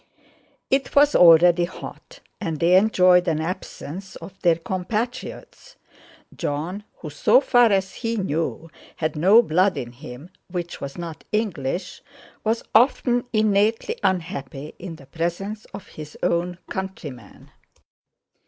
It was already hot, and they enjoyed an absence of their compatriots. Jon, who, so far as he knew, had no blood in him which was not English, was often innately unhappy in the presence of his own countrymen.